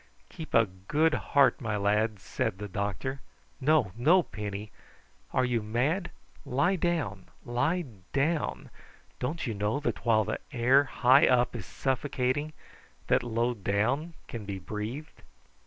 "Keep a good heart, my lads," said the doctor. "No, no, Penny! Are you mad? Lie down! lie down! Don't you know that while the air high up is suffocating, that low down can be breathed?"